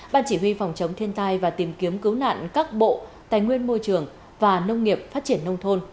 ban chỉ huy phòng chống thiên tai và tìm kiếm cứu nạn các bộ tài nguyên môi trường và nông nghiệp phát triển nông thôn